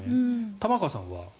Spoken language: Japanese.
玉川さんは？